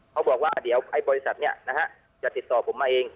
เขาบอกว่าเดี๋ยวไอ้บริษัทนี้นะฮะจะติดต่อผมมาเอง